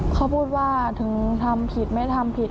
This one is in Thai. เขาพูดว่าถึงทำผิดไม่ทำผิด